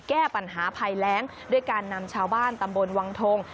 แก้ปัญหาภัยแรงด้วยการนำชาวบ้านตำบลวังทง